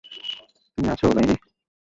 তুমি আছ লাইনে?